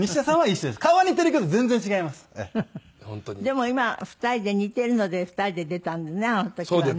でも今２人で似ているので２人で出たんだねあの時はね。